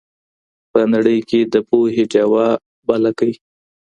په نړۍ کي د پوهي ډېوه بل کړئ.